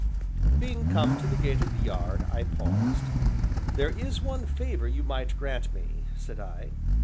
Being come to the gate of the yard, I paused. "There is one favor you might grant me," said I.